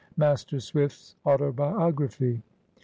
—MASTER SWIFT'S AUTOBIOGRAPHY.